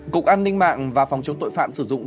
cục an ninh mạng và phòng chống tội phạm sử dụng